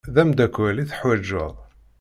D amdakel i teḥwaǧeḍ.